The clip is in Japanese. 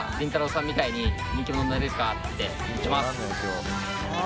さんみたいに人気者になれるかって聞いてます。